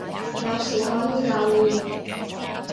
有事可以留言